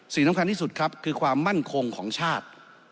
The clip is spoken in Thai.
สิ่งสำคัญที่สุดครับคือความมั่นคงของชาติ